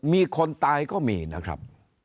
มีคนตายก็มีนะครับ